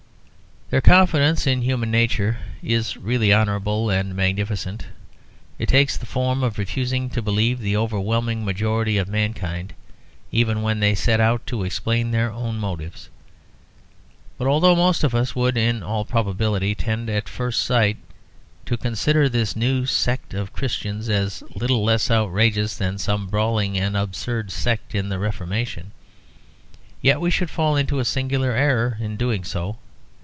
'" Their confidence in human nature is really honourable and magnificent; it takes the form of refusing to believe the overwhelming majority of mankind, even when they set out to explain their own motives. But although most of us would in all probability tend at first sight to consider this new sect of Christians as little less outrageous than some brawling and absurd sect in the Reformation, yet we should fall into a singular error in doing so.